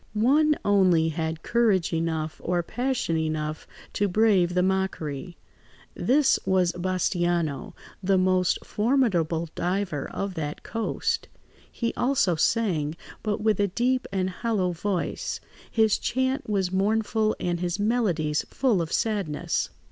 One only had courage enough or passion enough to brave the mockery; this was Bastiano, the most formidable diver of that coast. He also sang, but with a deep and hollow voice; his chant was mournful and his melodies full of sadness.